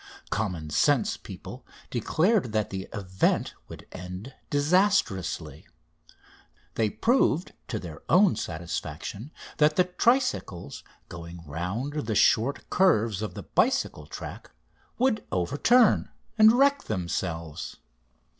"Common sense" people declared that the event would end disastrously; they proved to their own satisfaction that the tricycles, going round the short curves of a bicycle track, would overturn and wreck themselves.